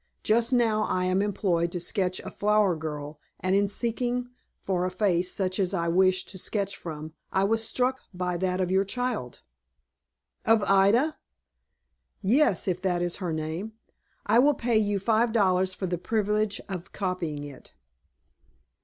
Just now I am employed to sketch a flower girl, and in seeking for a face such as I wished to sketch from, I was struck by that of your child." "Of Ida?" "Yes, if that is her name. I will pay you five dollars for the privilege of copying it."